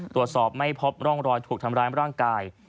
ตรวจสอบไม่พบร่องรอยถูกทำร้ายร่างกาย